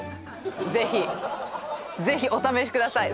ぜひぜひお試しください